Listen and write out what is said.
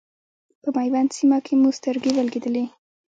په میوند سیمه کې مو سترګې ولګېدلې.